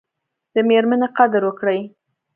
د میرمني قدر وکړئ